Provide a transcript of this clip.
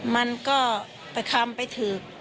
มันก็ไปคำไปถือ